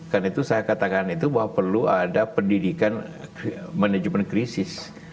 karena itu saya katakan itu bahwa perlu ada pendidikan manajemen krisis